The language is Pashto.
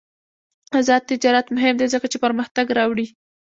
آزاد تجارت مهم دی ځکه چې پرمختګ راوړي.